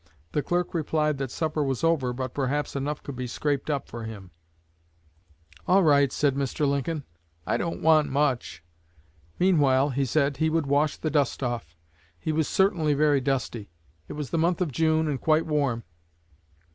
The clerk replied that supper was over, but perhaps enough could be 'scraped up' for him. 'All right,' said Mr. Lincoln; 'I don't want much.' Meanwhile, he said, he would wash the dust off. He was certainly very dusty; it was the month of June, and quite warm.